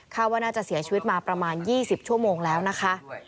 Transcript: ว่าน่าจะเสียชีวิตมาประมาณ๒๐ชั่วโมงแล้วนะคะ